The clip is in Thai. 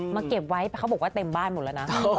เก็บไว้เขาบอกว่าเต็มบ้านหมดแล้วนะ